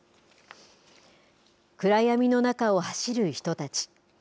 暗闇の中を走る人たち。